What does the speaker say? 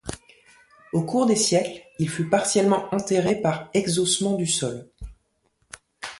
Au cours des siècles, il fut partiellement enterré par exhaussement du sol.